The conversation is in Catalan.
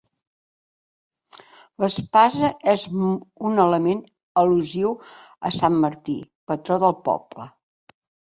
L'espasa és un element al·lusiu a sant Martí, patró del poble.